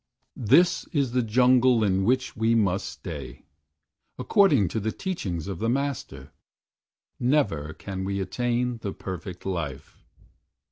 "This is the jungle in which we must stay, According to the teachings of the Master, Never can we attain the Perfect Life.